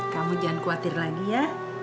kamu jangan khawatir lagi ya